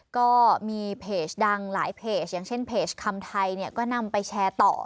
ก็มีเพจดังหลายเพจอย่างเช่นเพจคำไทยเนี่ยก็นำไปแชร์ต่อ